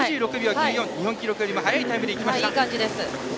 日本記録よりも早いタイムとなりました。